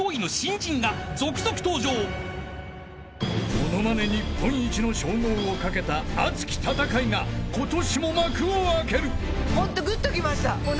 ［ものまね日本一の称号を懸けた熱き戦いが今年も幕を開ける］